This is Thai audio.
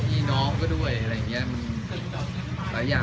อีน้องก็ด้วยหลายอย่างก็ช่วยกัน